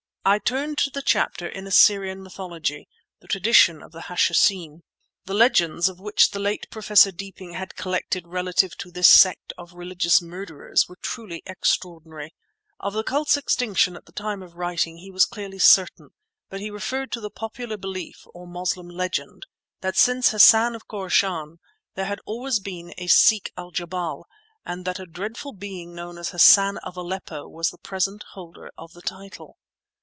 I turned to the chapter in "Assyrian Mythology"—"The Tradition of the Hashishin." The legends which the late Professor Deeping had collected relative to this sect of religious murderers were truly extraordinary. Of the cult's extinction at the time of writing he was clearly certain, but he referred to the popular belief, or Moslem legend, that, since Hassan of Khorassan, there had always been a Sheikh al jebal, and that a dreadful being known as Hassan of Aleppo was the present holder of the title.